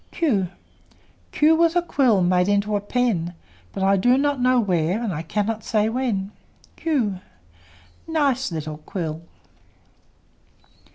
Q Q was a quill Made into a pen; But I do not know where, And I cannot say when. q! Nice little quill!